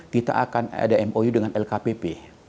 kita akan ada mou dengan lkpp